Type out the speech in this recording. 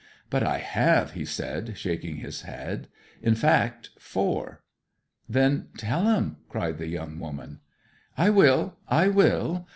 'But I have!' he said, shaking his head. 'In fact, four.' 'Then tell 'em!' cried the young woman. 'I will I will.